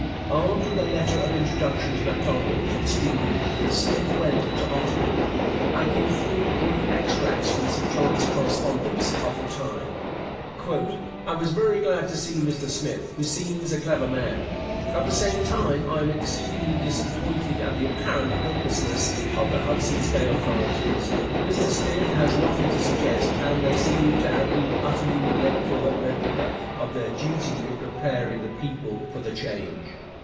Armed with a letter of introduction to Macdonald from Stephen, Smith went to Ottawa. I give three brief extracts from Sir John's correspondence of the time. I was very glad to see Mr Smith, who seems a clever man; at the same time I am exceedingly disappointed at the apparent helplessness of the Hudson's Bay authorities. Mr Smith has nothing to suggest, and they seem to have been utterly neglectful at Red River of their duty in preparing the people for the change.